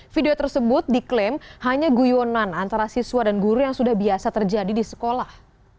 video tersebut diklaim hanya guyonan antara siswa dan guru yang sudah biasa terjadi di sekolah